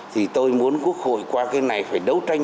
thì tôi muốn quốc hội qua cái này phải đấu tranh